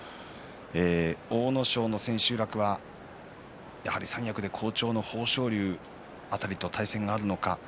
阿武咲の千秋楽はやはり三役で好調の豊昇龍辺りと対戦があるのか。